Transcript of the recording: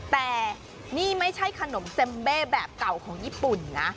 แต่นี่ไม่ใช่ขนมเจมเบ้แบบเก่าของญี่ปุ่นนะ